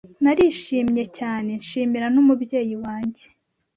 Narishimye cyane nshimira n’umubyeyi wange